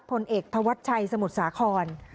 พลเอกธวัชชัยสมุทรสาคร